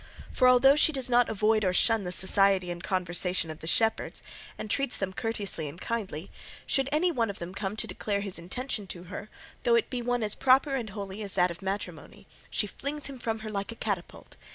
For although she does not avoid or shun the society and conversation of the shepherds, and treats them courteously and kindly, should any one of them come to declare his intention to her, though it be one as proper and holy as that of matrimony, she flings him from her like a catapult.